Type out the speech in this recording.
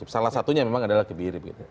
salah satunya memang adalah kebiri begitu